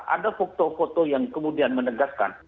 ada foto foto yang kemudian menegaskan